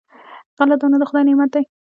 غله دانه د خدای نعمت دی.